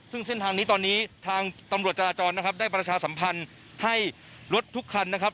ซึ่งเส้นทางนี้ตอนนี้ทางตำรวจจราจรนะครับได้ประชาสัมพันธ์ให้รถทุกคันนะครับ